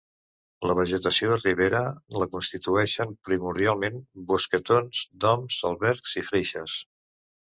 La vegetació de ribera la constitueixen primordialment bosquetons d’oms, àlbers i freixes.